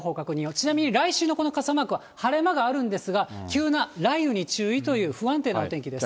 ちなみに来週のこの傘マークは、晴れ間があるんですが、急な雷雨に注意という、不安定なお天気です。